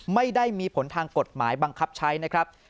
ไม่ได้มีผลทางกฎหมายบังคับใช้นะครับ